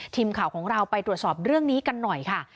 ทีมข่าวของเราไปตรวจสอบเรื่องนี้กันหน่อยค่ะ